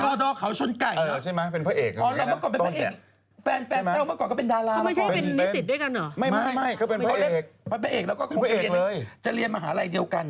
ลอดอเท่าไหว้เขาเป็นดารา